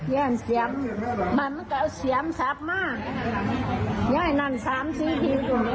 ย่างเสียงมันก็เสียงสับมากย่ายนั่นสามสิทธิ์